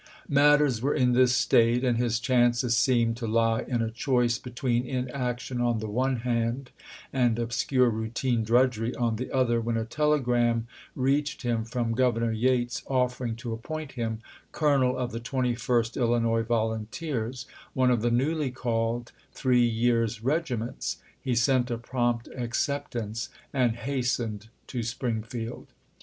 Matters were in this state, and his chances seemed to lie in a choice be tween inaction on the one hand and obscure routine di'udgery on the other, when a telegram reached him from Governor Yates offering to appoint him colonel of the Twenty first Illinois Volunteers, one of the newly called three years' regiments. He sent a prompt acceptance and hastened to Springfield.